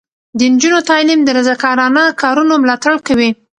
د نجونو تعلیم د رضاکارانه کارونو ملاتړ کوي.